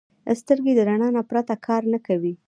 سترګې د رڼا نه پرته کار نه کوي